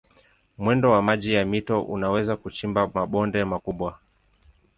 Mwendo wa maji ya mito unaweza kuchimba mabonde makubwa.